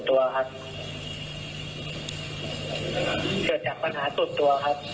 เอ่อจากปัญหาส่วนตัว